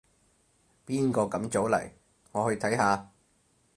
邊個咁早嚟？我去睇下